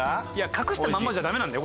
隠したまんまじゃダメなんだよ